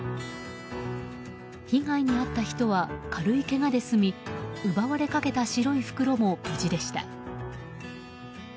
被害に遭った人は軽いけがで済み奪われかけた白い袋も無事でした。